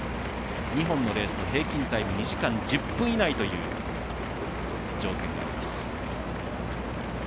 ２本のレースの平均タイム２時間１０分以内という条件があります。